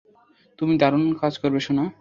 তুমি দারুণ কাজ করবে, সোনা।